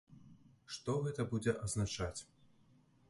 Што гэта будзе азначаць?